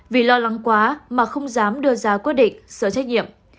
vì lo lắng quá mà không dám đưa ra quyết định sở trách nhiệm